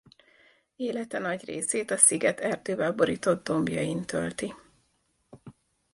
Élete nagy részét a sziget erdővel borított dombjain tölti.